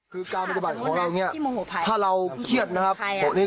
คือการปฏิบัติของเราเนี่ยถ้าเราเครียดนะครับ